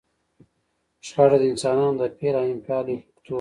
شخړه د انسانانو د فعل او انفعال یو فکتور دی.